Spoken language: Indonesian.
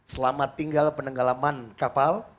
selamat tinggal penenggalaman kapal